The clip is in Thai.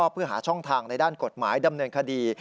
เพื่อหาช่องทางในด้านกฎหมายดำเนินคดี